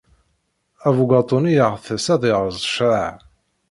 Abugaṭu-nni yeɣtes ad yerẓ ccṛeɛ.